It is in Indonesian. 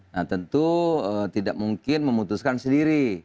nah tentu tidak mungkin memutuskan sendiri